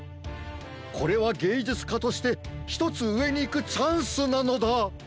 これはげいじゅつかとしてひとつうえにいくチャンスなのだ！